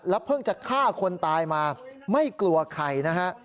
เพิ่งจะฆ่าคนตายมาไม่กลัวใครนะฮะ